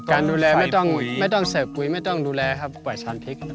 การดูแลไม่ต้องเสื้อปุ๋ยไม่ต้องดูแลครับป่วยชาญพิษ